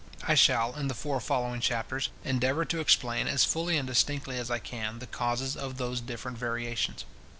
I shall, in the four following chapters, endeavour to explain, as fully and distinctly as I can, the causes of those different variations.